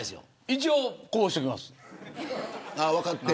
一応こうしときます。